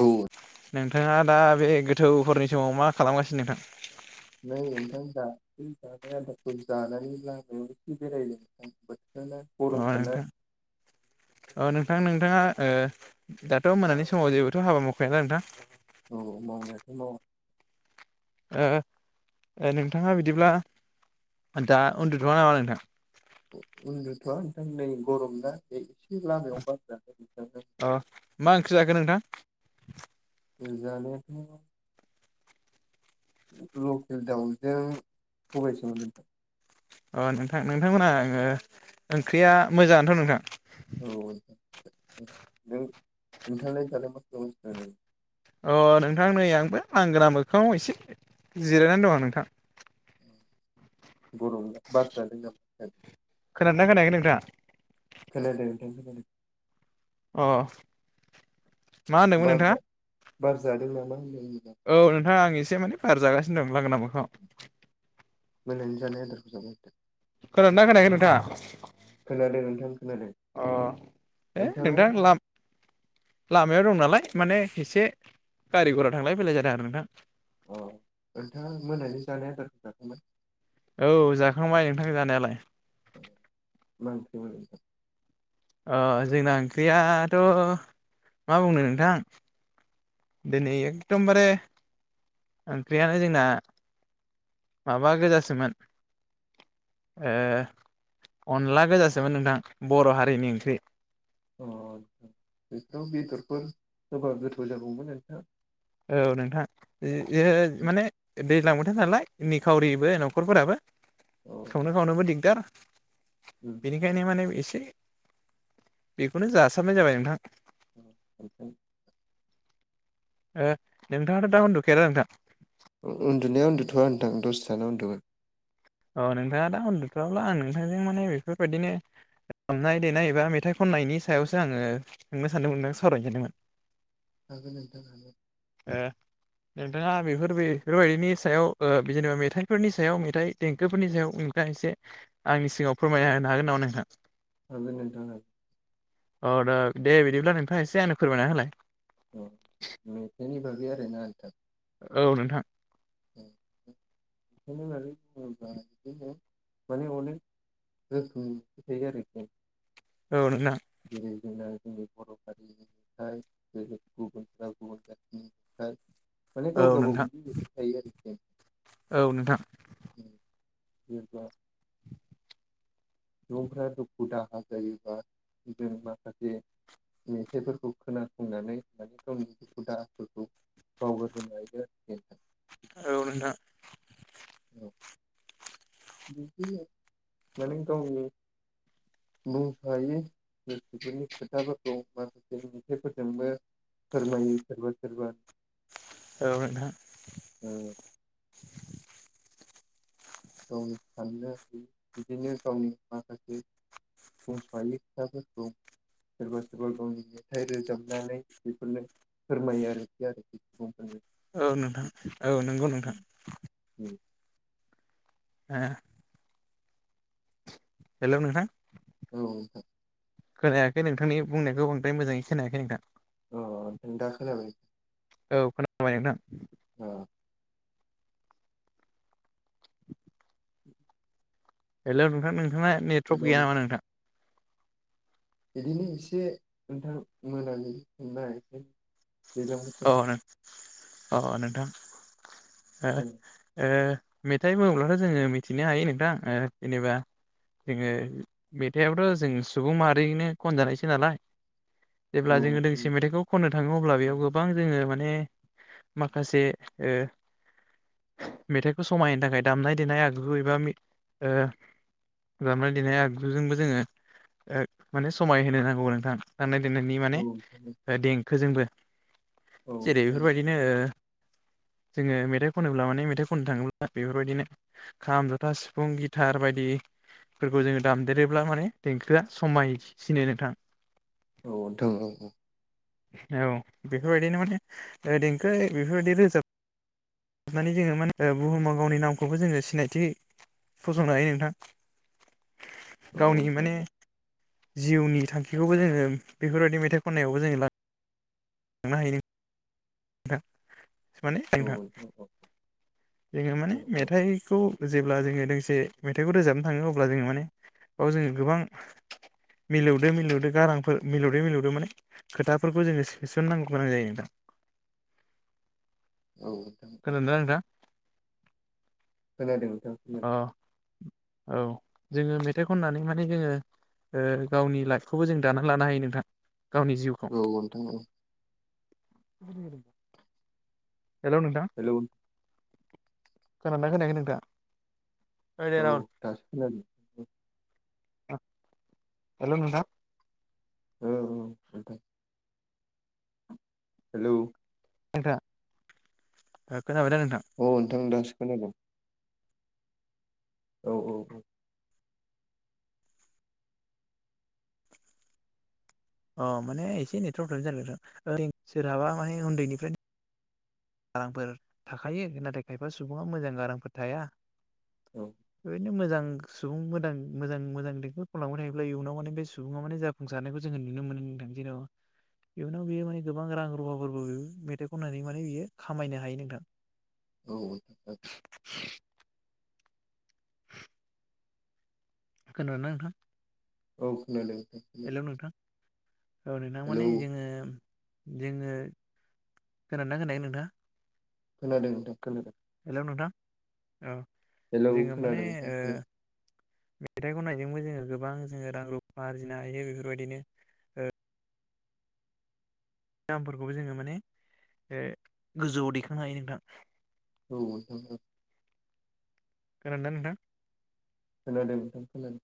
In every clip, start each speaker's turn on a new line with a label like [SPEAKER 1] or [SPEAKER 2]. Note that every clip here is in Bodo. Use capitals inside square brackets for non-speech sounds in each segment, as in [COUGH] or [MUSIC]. [SPEAKER 1] औ
[SPEAKER 2] नोंथाङा दा बे गोथौफोरनि समाव मा खालामगासिनो नोंथां
[SPEAKER 1] नै नोंथां जानाय आदारखौ जानानै लामायायाव एसे बेरायदों
[SPEAKER 2] अ
[SPEAKER 1] नोंथां
[SPEAKER 2] नोंथां
[SPEAKER 1] [UNINTELLIGIBLE]
[SPEAKER 2] अ नोंथां नोंथाङा ओ दाथ' मोनानि समाव जेबोथ' हाबा मावखाया ना नोंथां
[SPEAKER 1] औ मावनायाथ' मावा
[SPEAKER 2] नोंथाङा बिदिब्ला दा उनदुथ'वा नामा नोंथां
[SPEAKER 1] उनदुथ'वा नोंथां नै गरम ना लामायाव बार जादों नोंथां
[SPEAKER 2] अ मा ओंख्रि जाखो नोंथां?
[SPEAKER 1] जानायाथ' लकेल दडाउनजों सबायसोमोन नों
[SPEAKER 2] अ नोंथां नोंथांमोनहा ओ ओंख्रिया मोजाङानोथ' नोंथां
[SPEAKER 1] औ नों नोंथांयालाय दालाय मा खालामबाय थादों?
[SPEAKER 2] अ नोंथां नै आंबो लांगोना मोखाङाव एसे जिरायनानै दङ नोंथां
[SPEAKER 1] गरम ना बार जादों नामा
[SPEAKER 2] खोनादोंना खोनायाखै नोंथाङा?
[SPEAKER 1] खोनादों
[SPEAKER 2] अ मा होनदोंमोन
[SPEAKER 1] बार
[SPEAKER 2] नोंथाङा?
[SPEAKER 1] बार जादों नामा होनदों? नोंथां?
[SPEAKER 2] औ नोंथाङा आं एसे माने बार जागासिनो दं लांगोना मोखाङाव
[SPEAKER 1] मोनानि जानाय आदार‌ खालामबाय
[SPEAKER 2] खोनादों ना खोनायाखै नोंथाङा?
[SPEAKER 1] खोनादों नोंथां खोनादों
[SPEAKER 2] अ ए
[SPEAKER 1] नोंथाङा
[SPEAKER 2] नोंथां लाम लामायाव दं नालाय माने एसे गारि घरा थांलाय फैलाय जादों आरो नोंथां
[SPEAKER 1] अ नोंथाङा मोनानि जानाय आदारखौ जाखांबाय
[SPEAKER 2] औ जाखांबाय नोंथां जानायालाय
[SPEAKER 1] औ मा ओंख्रिमोन नोंथां?
[SPEAKER 2] अ जोंना ओंख्रियाथ' मा बुंनो नोंथां दिनै एकदमबारे ओंख्रियानो जोंना माबा गोजासोमोन ओ अनला गोजासोमोन नोंथां बर' हारिनि ओंख्रि
[SPEAKER 1] अ दाव बेदरफोर होबा गोथाव जागौमोन नोंथां
[SPEAKER 2] औ नोंथां जे माने दैज्लां बोथोर नालाय निखावरिबो न'खरफोराबो
[SPEAKER 1] अ
[SPEAKER 2] सावनो खावनोबो दिगदार
[SPEAKER 1] उम
[SPEAKER 2] बेनिखायनो माने एसे बेखौनो जासाबनाय जाबाय नोंथां
[SPEAKER 1] [INAUDIBLE]
[SPEAKER 2] ओ नोंथाङाथ' दा उन्दुखाया दा नोंथां?
[SPEAKER 1] उन्दुनाया उन्दुथ'वा नोंथां दसे थाना उन्दुगोन
[SPEAKER 2] अ नोंथाङा दा उन्दुथ'वाबा आं नोंथांजों माने बेफोर बायदिनो दामनाय देनाय एबा मेथाइ खननायनि सायावसो आङो सोंनो सान्दोंमोनदों बा सावरायनो सानदोंमोन
[SPEAKER 1] हागोन नोंथां हागोन
[SPEAKER 2] ओ नोंथाङा बेफोर बेफोर बायदिनि सायाव ओ बिदिनो मेथाइफोरनि सायाव मेथाइ देंखोफोरनि सायाव नोथां थां एसे आंनि सिगाङाव फोरमायना होनो हागोन नामा नोंथां?
[SPEAKER 1] हागोन नोंथां ओं
[SPEAKER 2] अ दा दे बिदिब्ला नोंथाङा एसेे आंनो फोरमायना होलाय
[SPEAKER 1] [INAUDIBLE] आरो ना नोंथां
[SPEAKER 2] औ नोंथां
[SPEAKER 1] [INAUDIBLE] माने अनेक रोखोम थायो आरोखि
[SPEAKER 2] औ नोंथां
[SPEAKER 1] जेरै जोंना जोंनि बर' हारिनिफ्राय [INAUDIBLE] गुबुनफ्रा गुबुन जाथिनि [INAUDIBLE] माने
[SPEAKER 2] औ
[SPEAKER 1] गाव गावबा
[SPEAKER 2] नोंथां
[SPEAKER 1] गावनि देंखो थायो आरोखि।
[SPEAKER 2] औ नोंथां।
[SPEAKER 1] उम, जेनेबा [INAUDIBLE] माखासे मेथाइफोरखौ खोनासंनानै माने गावनि दुखु दाहाफोरखौ बावगारहोनो हायो आरोखि नोंथां
[SPEAKER 2] औ नोंथां।
[SPEAKER 1] औ, बिदिनो माने गावनि बेफोरनि खोथाफोरखौ [INAUDIBLE] मेथाइफोरजोंबो फोरमायो सोरबा सोरबा
[SPEAKER 2] औ नोंथां
[SPEAKER 1] ओ, गावनि साननो हनो बिदिनो गावनि माखासे [INAUDIBLE] सोरबा सोरबा गावनि मेथाइ रोजाबनानै बेफोरनो फोरमायो आरोखि आरो बेखौ
[SPEAKER 2] औ नोंथां औ नंगौ नोंथां हो हेल' नोंथां
[SPEAKER 1] औ
[SPEAKER 2] खोनायाखै नोंथांनि बुंनायखौ बांद्राय मोजाङै खोनायाखै नोंथां।
[SPEAKER 1] अ नों दा खोनाबाय?
[SPEAKER 2] औ खोनाबाय नोंथां
[SPEAKER 1] औ
[SPEAKER 2] हेलौ नोंथां नोंथाङा नेटवर्क
[SPEAKER 1] एकदम
[SPEAKER 2] गैया नामा नोंथां?
[SPEAKER 1] बिदिनो एसे नोंथां मोनाबलि मोननो हायाखै
[SPEAKER 2] अ
[SPEAKER 1] [INAUDIBLE]
[SPEAKER 2] नों अ नोंथां हो
[SPEAKER 1] औ
[SPEAKER 2] ओ। मेथाइ बुङोब्लाथ' जोङो मिथिनो हायो नोंथांङा ओ जेनेबा। जोङो मेथाइआवथ' जों सुबुं माहारिनो खनजानायसो नालाय। जेब्ला जोङो दोंसे मेथाइखौ खननो थाङो अब्ला बेयाव गोब। गोबां जोङो माने माखासे ओ। मेथाइखौ समायहोनो थाखाय दामनाय देनाय आगु एबा मिद ओ। दामनाय देनाय आगजुजोंबो जोङो ओ माने समाय होनो नांगौ नोंथां। दाननाय देनायनि माने
[SPEAKER 1] औ
[SPEAKER 2] देंखोजोंबो जेरै
[SPEAKER 1] औ
[SPEAKER 2] बेफोरबायदिनो ओ।
[SPEAKER 1] [INAUDIBLE]
[SPEAKER 2] जोङो मेथाइ खनोब्ला माने मेथाइ खननो थाङोब्ला बेफोरबायदिनो खाम जथा सिफुं गिथार बायदि। फोरखौ जोङो दामदेरोब्ला माने देंखोआ समायसिनो नोंथां।
[SPEAKER 1] औ दों औ।
[SPEAKER 2] औ बेफोरबायदिनो माने ओ देंखो बेफोरबायदि रोजाब। हाबनानै जोङो माने बुहुमाव गावनि नामखौबो जोङो सिनायथि। फसंनो हायो नोंथां गावनि
[SPEAKER 1] नोंथां
[SPEAKER 2] माने।
[SPEAKER 1] औ
[SPEAKER 2] जिउनि थांखिखौबो जोङो बेफोरबायदि मेथाइ खननायावबो जोङो लानो। थांनो हायो नोंग। नोथां माने
[SPEAKER 1] औ
[SPEAKER 2] नोंथां
[SPEAKER 1] औ
[SPEAKER 2] जोङो माने
[SPEAKER 1] नोंथां औ
[SPEAKER 2] मेथाइखौ। जेब्ला जोङो दोंसे मेथाइखौ रोजाबनो थाङो अब्ला जोङो माने आव जोङो गोबां। मिलौदो मिलौदो गारांफोर मिलौदो मिलौदो माने खोथाफोरखौ जोङो सोसननांगौ गोनां जायो नोथां।
[SPEAKER 1] औ नोंथां औ।
[SPEAKER 2] खोनादोंना नोंथां
[SPEAKER 1] खोनादों नोंथां। [UNINTELLIGIBLE]
[SPEAKER 2] अ औ जोङो मेथाइ खननानै माने जोङो। ओ गावनि लाइफखौबो जों दानानै लानो हायो नोंथां। गावनि जिउखौ
[SPEAKER 1] औ नोंथां औ।
[SPEAKER 2] [INAUDIBLE] हेलौ' नोंथां
[SPEAKER 1] हेलौ
[SPEAKER 2] खोनादोंना खोनायाखै नोंथांङा।
[SPEAKER 1] औ दासो खोनादो।
[SPEAKER 2] हेलौ नोंथां।
[SPEAKER 1] औ औ नोंथां। हेलौ।
[SPEAKER 2] नोंथाङा ओ।
[SPEAKER 1] औ नोंथां दासो खोनादों। औ औ औ।
[SPEAKER 2] अ माने एसे नेटवर प्रब्लेम जादो नोथां ओ सोरहाबा माने उन्दैनिफ्राय। गारांफोर थाखायो नाथाय खायफा सुबुङा मोजां गारांफोर थाया।
[SPEAKER 1] औ।
[SPEAKER 2] बिनो मोजां सुबुंफोरा मोजां मोजां देंखोखौ खालामलांबाय थायोब्ला इयुनाव माने बे सुबुङा माने जाफुसारनायखौ जों।
[SPEAKER 1] [INAUDIBLE]
[SPEAKER 2] इयुनाव बियो माने गोबां रां रुवाफोरबो मेथाइ खननानै माने बियो खामायनो हायो नोंथां।
[SPEAKER 1] औ नोथां।
[SPEAKER 2] [INAUDIBLE] खोनादोंना नोंथां।
[SPEAKER 1] औ खोनादों।
[SPEAKER 2] हेलौ नोंथां औ नोंथां माने
[SPEAKER 1] औ
[SPEAKER 2] जोङो जोङो खोनादोंना खोनायाखै नोंथां
[SPEAKER 1] खोनादों नोंथां खोनादों
[SPEAKER 2] हेलौ नोंथां औ
[SPEAKER 1] हेलौ
[SPEAKER 2] जोङो माने
[SPEAKER 1] खोनादों नोंथां
[SPEAKER 2] ओ
[SPEAKER 1] खोनादों
[SPEAKER 2] मेथाइ खननायजोंबो जोङो गोबां जोङो रां रुफा आरजिनो हायो बेफोरबायदिनो दामफोरखौबो जोङो माने ओ गोजौआव दैखांनो हायो नोंथां
[SPEAKER 1] औ नोंथां औ
[SPEAKER 2] खोनादोंना नोंथां
[SPEAKER 1] खोनादों नोंथां खोनादों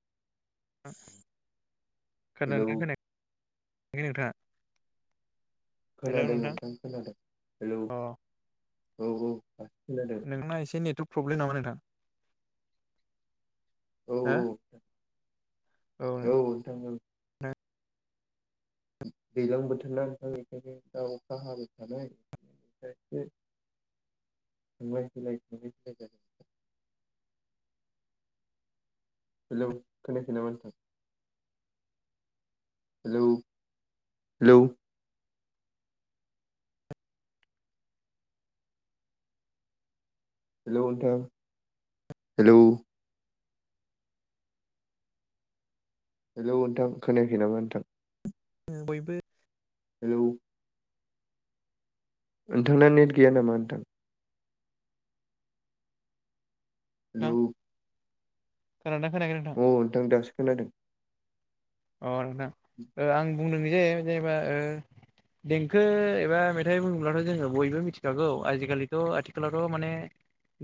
[SPEAKER 1] हेलौ
[SPEAKER 2] खोनादोना खोनायाखै नोंथाङा
[SPEAKER 1] खोनादों नोंथां खोनादों हेलौ औ औ खोनादों
[SPEAKER 2] नोंना एसे नेटवर्क प्रब्लेम नामा नोंथां
[SPEAKER 1] औ
[SPEAKER 2] हा औ नोंथां
[SPEAKER 1] दैज्लां बोथोर ना नोंथां बेखायनो दा अखा हाबाय थानाय [INAUDIBLE] थांलाय फैलाय थांलाय फैलाय जागासिनो दं हेलौ खोनायाखै नामा नोंथां हेलौ हेलौ हेल' नोंथां हेलौ हेलौ नोंथां खोनायाखै नामा नोंथां
[SPEAKER 2] बयबो
[SPEAKER 1] हेलौ नोंथांना नेट गैया नामा नोंथां
[SPEAKER 2] नोंथां
[SPEAKER 1] हेलौ
[SPEAKER 2] खोनादोंना खोनायाखै
[SPEAKER 1] अ नोंथां दासो खोनादों
[SPEAKER 2] अ नोंथां आं बुंदों जे जेनेबा देंखो एबा मेथाइ बुङोब्लाथ' जोङो बयबो मिथिखागौ आजिखालिथ' आथिखालावथ' माने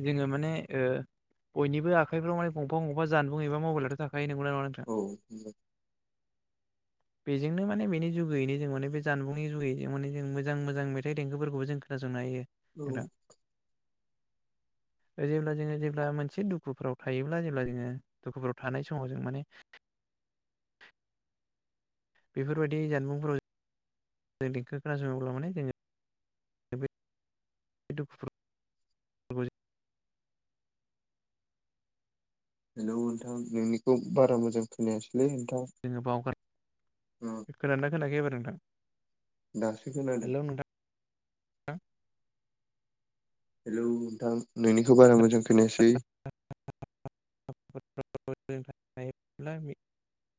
[SPEAKER 2] जोङो माने बयनिबो आखाइफ्राव माने गंफा गंबा जानबुं एबा मबाइलावथ' थाखा यो नंगौना नङा नोंथां
[SPEAKER 1] औ [INAUDIBLE]
[SPEAKER 2] बेजोंनो माने बेनि जुगैयैनो जों माने बे जानबुंनि जुगै जों माने जों मोजां मोजां मेथाइ देंखोफोरखौ जों खोनासंनो हायो
[SPEAKER 1] औ
[SPEAKER 2] नोंथां जेब्ला जोङो जेब्ला मोनसे दुखुफ्राव थायोब्ला जेब्ला जोङो दुखुफ्राव थानाय समाव जों माने
[SPEAKER 1] [INAUDIBLE]
[SPEAKER 2] बेफोरबायदि जानबुंफोराव जों देंखो खोनासङोब्ला माने जोङो बे [UNINTELLIGIBLE]
[SPEAKER 1] हेलौ नोंथां नोंनिखौ बारा मोजां खोनायासै
[SPEAKER 2] जोङो बावगार
[SPEAKER 1] ओ
[SPEAKER 2] [UNINTELLIGIBLE] खोनादोंना खोनायाखै एबार नोंथां
[SPEAKER 1] दासो खोनादों
[SPEAKER 2] हेलौ नोंथां
[SPEAKER 1] हेलौ नोंथां नोंनिखौ बारा मोजां खोनायासै
[SPEAKER 2] [UNINTELLIGIBLE]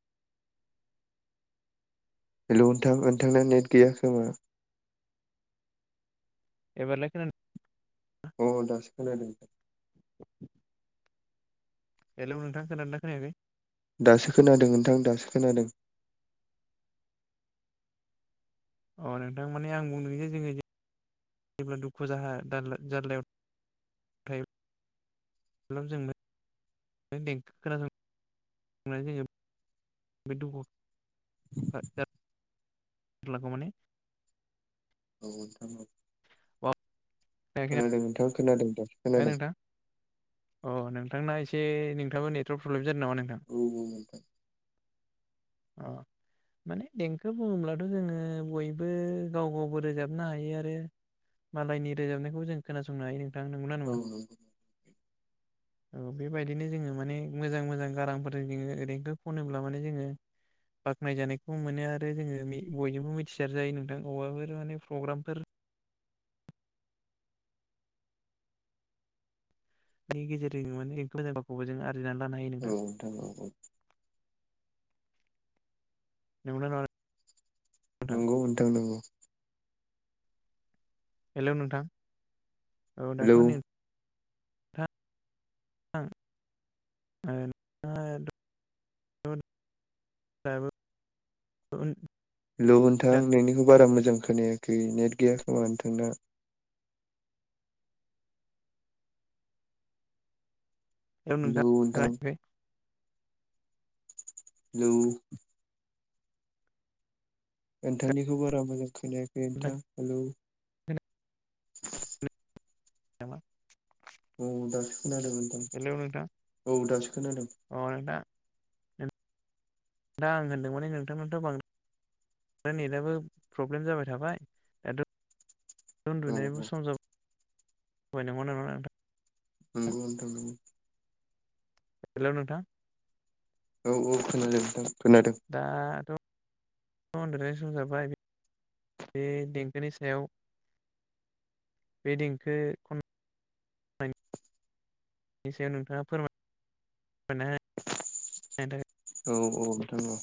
[SPEAKER 1] हेलौ नोंथां नोंथांना नेट गैया खोमा
[SPEAKER 2] एबारलाइ खोना
[SPEAKER 1] अ दासो खोनादों
[SPEAKER 2] हेल' नोंथां खोनादों ना खोनायाखै
[SPEAKER 1] दासो खोनादों नोंथां दासो खोनादों
[SPEAKER 2] अ नोंथां माने आं बुंदों जे जोङो जेब्ला दुखु जाहा जारलायाव थायो जों देंखो खोनासं ङो बे दुखु लाखौ माने
[SPEAKER 1] औ नोंथां औ
[SPEAKER 2] बावगारनो
[SPEAKER 1] खोनादों नोंथां खोनादों दासो
[SPEAKER 2] हो
[SPEAKER 1] खोनादों
[SPEAKER 2] नोंथां अ नोंथांना एसे नोंथाङाबो नेटवारक प्रब्लेम जादो नामा नोंथां
[SPEAKER 1] औ
[SPEAKER 2] अ माने देंखो बुङोब्लाथ' जोङो बयबो गाव गावबो रोजाबनो हायो आरो मालायनि रोजाबनायखौ जों खोनासंनो हायो नोंथां नंगौना
[SPEAKER 1] औ
[SPEAKER 2] नङा
[SPEAKER 1] औ
[SPEAKER 2] औ बेबायदिनो जोङो माने मोजां मोजां गारांफोरजों जोङो ओरैनोथ' खनोब्ला माने जोङो बाख्नायजानायखौबो मोनो आरो जोङो मि बयनिबो मिथिसार जायो नोंथां अबावफोर माने प्रग्रामफोर नि गेजेरजों माने [UNINTELLIGIBLE] लानो हायो
[SPEAKER 1] औ नोंथां औ औ
[SPEAKER 2] नंगौना नङा नों
[SPEAKER 1] नंगौ नोंथां नोंगौ
[SPEAKER 2] हेलौ नोंथां औ
[SPEAKER 1] हेलौ
[SPEAKER 2] दाथ' नै [UNINTELLIGIBLE] [UNINTELLIGIBLE]
[SPEAKER 1] हेलौ नोथां नोंनिखौ बारा मोजां जों खोनायाखै नेट गैया खोमा नोंथांना
[SPEAKER 2] औ नोंथां [UNINTELLIGIBLE]
[SPEAKER 1] हेलौ नोंथांनिखौ बारा मोजां खोनायाखै नोंथां हेलौ [INAUDIBLE]
[SPEAKER 2] [UNINTELLIGIBLE]
[SPEAKER 1] औ दासो खोनादों नोंथां
[SPEAKER 2] हेलौ नोंथां
[SPEAKER 1] औ दासो खोनादों
[SPEAKER 2] अ नोंथां दा आं होनदों माने नोंथांनावथ' बां नेटआबो प्रब्लेम जाबाय थाबाय दाथ'
[SPEAKER 1] औ
[SPEAKER 2] उनदुनायबो
[SPEAKER 1] औ
[SPEAKER 2] सम जाबाय [UNINTELLIGIBLE] नङा नोंथां?
[SPEAKER 1] नंगौ नोंथां नंगौ
[SPEAKER 2] हेलौ नोंथां
[SPEAKER 1] औ औ खोनाजोबदों
[SPEAKER 2] दाथ' उनदुनाय सम जाबाय बे देंखोनि सायाव बे देंखो खन बेनि सायाव नोंथाङा फोरमाय ना ह़नो थाखाय
[SPEAKER 1] औ औ नोंथां औ